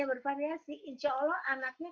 bervariasi insya allah anaknya